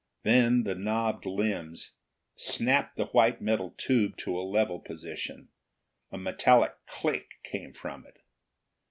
Then the knobbed limbs snapped the white metal tube to a level position. A metallic click came from it.